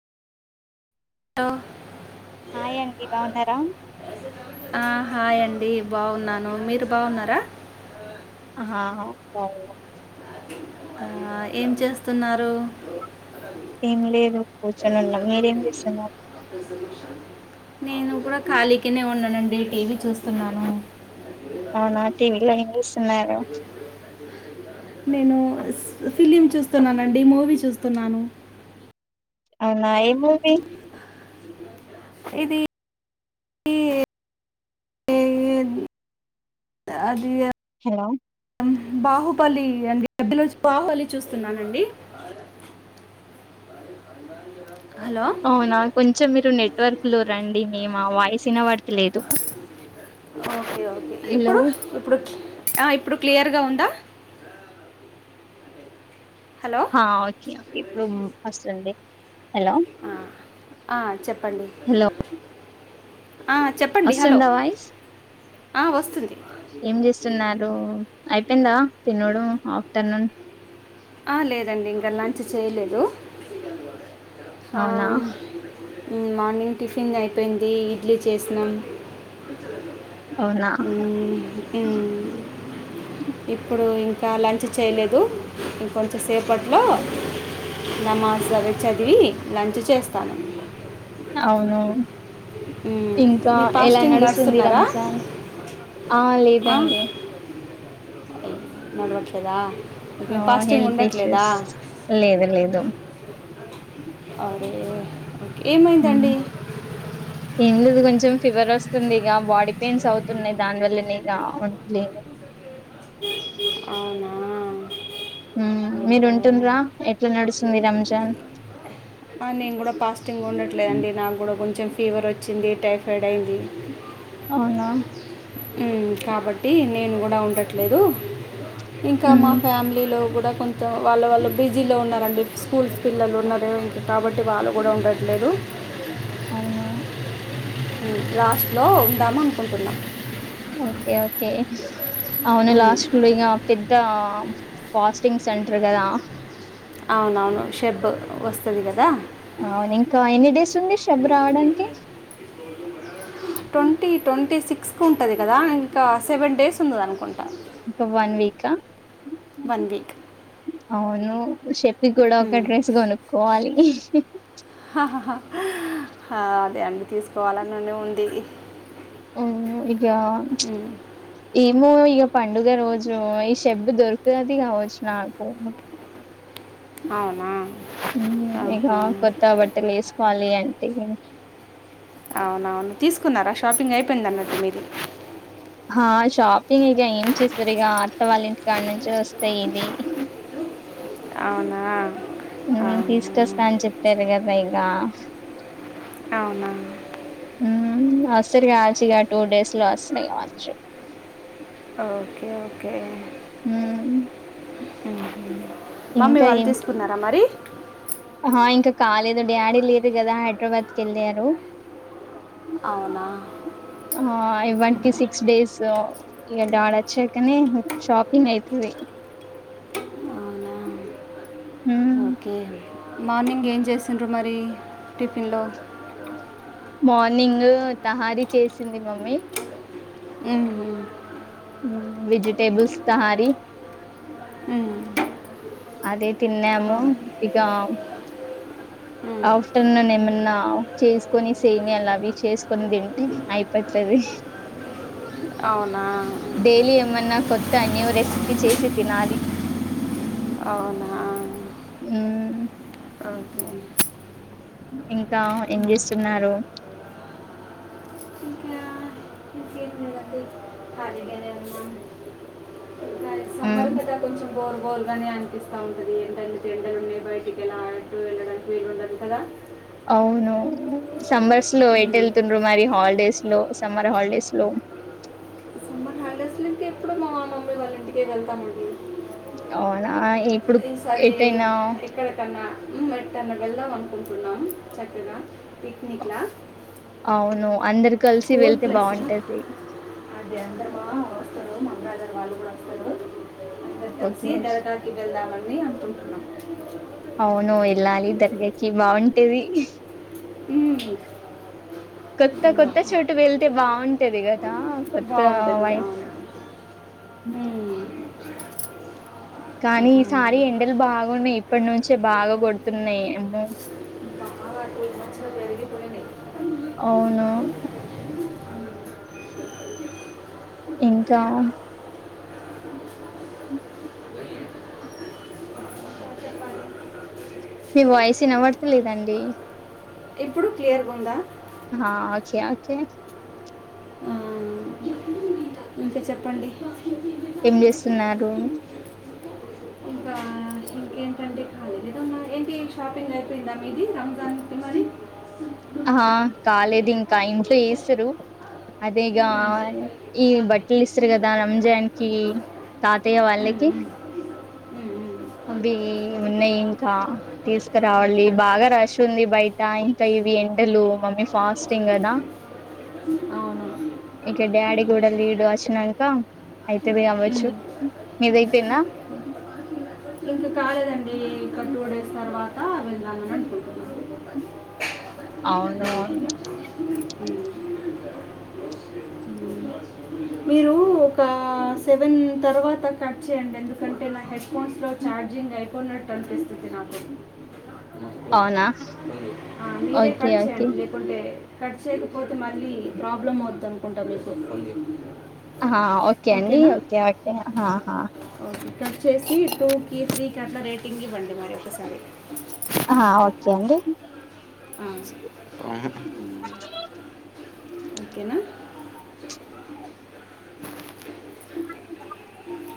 ఆహా హాయ్ అండి బాగున్నారా ఆ, హాయ్ అండి బాగున్నాను మీరు బాగున్నారా ఆ హ ఓ ఆ ఏం చేస్తున్నారు ఏం లేదు కూర్చొనిన్నా మీరేం చేస్తున్నారు నేను కూడా ఖాళీకినే ఉన్నానండి టీవీ చూస్తున్నాను అవునా టీవ ఏం చూస్తున్నారు బ నేను ఫిలిమ్ చూస్తున్నానండి మూవీ చూస్తున్నాను అవునా ఎమ్ మూవీ ఇది అది [unintelligible] హలో బాహుబలి అండి బాహుబలి చూస్తున్నానండి హలో అవునా కొంచెం మీరు నెట్వర్క్ లో రండి మేము వాయిస్ వినబడితలేదు ఓకే ఓకే ఇప్పుడు ఇప్పుడు ఇప్పుడు క్లియర్ గా ఉంద ఓకే ఇప్పుడు ఫస్ట్ అండి హలో అ చెప్పండి హలో చెప్పండి హలో వస్తుందా వాయిస్ వస్తుంది ఏం చేస్తున్నారు అయిపోయిందా తినడం ఆఫ్టర్నూన్ లేదండి ఇంకా లంచ్ చేయలేదు. అ అవునా మ్ మార్నింగ్ టిఫిన్ అయిపోయింది ఇడ్లీ చేసినాం అవునా ఇప్పుడు ఇంకా ఇంకా లంచ్ చేయలేదు ఇంకొంచెం సేపట్లో నమాజ్ అవి చదివి లంచ్ చేస్తాను అవును మ్, ఇంకా మీ ఎలా ఫాస్టింగ్ నడుస్తుంది నడుస్తున్నారా రంజాన్ ఆ లేదు దండి మడు వచ్చదా ఆ హెల్త్ ఇష్యూస్ లేదు లేదు అరోజు ఉమ్. ఏమైందండి ఏం లేదు కొంచెం ఫీవర్ వస్తుంది ఇక బాడీ పెయిన్స్ అవుతున్నాయి దాని వల్లనే ఇ ఉంటలేదు అవునా మీరు ఓహో. ఉంటుండ్రా ఎట్లా నడుస్తుంది రంజాన్ నేను కూడా ఫాస్టింగ్ ఉండట్లేదుండి నాకు కూడా కొంచెం ఫీవర్ వచ్చింది టైఫాయిడ్ అయింది అవునా కాబట్టి నేను కూడా ఉండట్లేదు ఇంకా మా ఉమ్, ఫ్యామిలీలో కూడా ఇ కొంతం వాళ్ళ వాళ్ళు బిజీలో ఉన్నారంండి స్కూల్స్ పిల్లలు ఉన్నారు ఏ కాబట్టి టే వాళ్ళు కూడా ఉండట్లేదు అవునా లాస్ట్లో ఉందామ అనుకుంటున్నాం ఓకే ఓకే అవును ఉమ్, లాస్ట్లు ఇగా పె లా ఫాస్టింగ్ సెంటర్ కదా అవునవును షెబ్ వస్తుంది కదా అవును ఇంకా ఎన్ని డేస్ ఉంది షబ్ రావడానికి ట్వంటీ ట్వంటీ సిక్స్కి ఉంటుంది కదా ఇంకా సెవెన్ డేస్ ఉన్నది అనుకుంటును ఇంకా వన్ వీకా వన్ వీక్ అవును షప్పి కూడా ఒక మ్మ్. డ్రెస్ కొనుక్కోవాలి ఆ అదే అండి తీసుకోవాల ననే ఉంది ఆ ఇగా మ్మ్. ఏమో పండుగ రోజు ఈ షబ్బు దొరుకుతుది కావచ్చు నాకు అవునా ఇగా ఆహా. కొత్త బట్టలు వేసుకోవాలి అంటే అవునవును తీసుకున్నారా షాపింగ్ అయిపోయింది అన్నట్టు మీది ఆ షాపింగ్ ఇక ఏం చేస్తారు ఇక అత్త వాళ్ళ ఇంటి కాడి నుంచి వస్తాయి ఇది అవునా అవునా తీసుకొస్తా అని చెప్పారు కదా ఇక అవునా సరి కాజగా టూ డేస్ లో వస్తున్నాయి కావచ్చు ఓకే ఓకే ఉమ్, హ్మ్మ్ మమ్మీ వాళ్ళు తీసుకున్నారా మరి ఆ ఇంకా కాలేదు డాడీ లేరు కదా హైదరాబాద్కి వెళ్ళారు అవునా ఆ ఇవన్కి సిక్స్ డేస్ ఇ డాడ వచ్చాకని షాపింగ్ అయితది అవునా హ్మ్ ఓకే మార్నింగ్ ఏం చేసిండ్రు మరి టిఫిన్లో మార్నింగ్ తహారీ చేసింది మమ్మీ హ్మ్మ్ వెజిటెబల్స్ తహారి ఉమ్, అదే తిన్నాాము ఉమ్. ఇకా ఆఫ్టర్నూన్ ఏమన్నా చేసుకొని సేన్ అని అవి చేసు కొందింటి అయిపోతది అవునా. డైలీ ఏమన్నా కొత్త న్యూ రెసిపీ చేసి తినాలి అవునా హ్మ్మ్ అ ఓకే ఇంకా ఏం చేస్తున్నారు ఇంకా క్రికెట్ మది కాలగానే ఉన్నాం అ హ్మ్ సమ్మర్ గదా కొంచెం బోర్ బోర్గానే అనిపిస్తా ఉంటది ఎంటే చెండలు ఉన్నాయి బయటికి ఎలా ఆడట్టు వెళ్ళడానికి వీలు ఉండదు కదా అవును సమ్మర్స్ లో ఎట్ ఉమ్, వెళ్తుండ్రు మరి హాలిడేస్ లో సమ్మర్ హాలిడేస్ లో సమ్మర్ హాలిడేస్ ఇంకే ఎప్పుడు మా మమ్మీ వాళ్ళ ఇంటికే వెళ్తామండి అవునా ఇప్పుడు ఈసారి ఎటైనా ఇక్కడ కన్నా హ్మ్మ్ ఎట్టన్నా వెళ్దాం అనుకుంటున్నాము చక్కగా పిక్నిక్లా అవును అందరు కలిసి కుల్ వెళ్తే ప్లేస్ బాగుంటది అ అందరుమా వస్తారు మా అబాగారు వాళ్ళు కూడా వస్తారు అందరూ కలిసి ఓకే దరగాకి వెళ్దామని అనుకుంటున్నాం అవును వెళ్ళాలి దర్గాకి బాగుంటది ఉం కొత్త కొత్త చోటు వెళ్తే బాగుంటది కదా కొత్త వై. ఉమ్. కానీ ఈసారి ఎండలు బాగున్నాయి ఇప్పటి నుంచే బాగా కొడుతున్నాయి ఏమో. బాగా టూ మచ్ పెరిగిపోయినయ్. అవును. ఇంకా. మీ వాయిస్ వినబడతలేదండి. ఇప్పుడు క్లియర్ గా ఉందా. కే. ఆ. ఇంకా చెప్పండి. ఏం చేస్తున్నారు. ఇంక ఏంటండీ ఏంటి షాపింగ్ అయిపోయిందా మీది రంజాన్ చెే మరి. ఆ కాలేదు ఇంకా ఇంట్లో చేస్తరు. అదేగా మ్మ్. ఈ బట్టలు ఇస్తారు కదా రంజానికి తాతయ్య వాళ్ళకి. మ్మ్. మ్మ్. అవి ఉన్నాయి ఇంకా తీసుకురావాలి బాగా రష్ ఉంది బయట ఇంకా. ఇవి ఎండలు మమ్మీ ఫాస్టింగ్ కదా. మ్మ్. అవును ఇక డాడ కూడాూడలి ఇడు అచ్చనాంక అయితుంది కావచ్చు మీదయిపోయినా. ఇంకా కాలేదండి ఇక టూ డేస్ తర్వాత వెళ్ళాలని అనుకుంటున్నాను. అవును అవును మీరు ఒక సెవెన్ తర్వాత. కట్ చేయండి ఎందుకంటే నా హెడ్ ఫోన్స్లో ఛార్జింగ్ అయిపోయినట్టు అనిపిస్తుంది నాకు. అవునా ఆ మీరే ఓకే కట్ ఓకే చేయండి లేకుంటే. ఖర్చ చేయకపోతే మళ్ళీ ప్రాబ్లమ్ అవుతు అనుకుంటా మీకు. హ హ ఓకే అండి ఓకేనా ఓకే ఓకే. ఓకే కట్ చేసి టూకి త్రీకి అట్లా రేటింగ్ ఇవ్వండి మరొక్కసారి. ఆ ఓకే అండి. ఓ. ఇఓకేనా. అ.